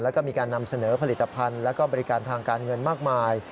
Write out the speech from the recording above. แล้วก็มีการนำเสนอผลิตภัณฑ์และบริการทางการเงินมากมาย